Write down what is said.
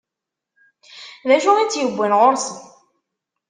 D acu i tt-iwwin ɣur-sen?